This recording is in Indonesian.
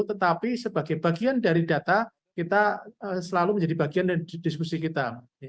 tetapi sebagai bagian dari data kita selalu menjadi bagian dari diskusi kita